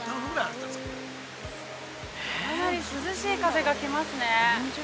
かなり涼しい風が来ますね。